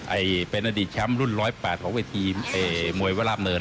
ไอ้เฟรนดิสแชมป์รุ่น๑๐๘ของวิธีมวยเวลาเมิน